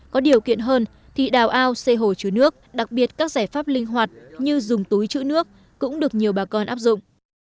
có điều kiện hơn thì đào ao xây hồ chứa nước đặc biệt các giải pháp linh hoạt như dùng túi chữ nước cũng được nhiều bà con áp dụng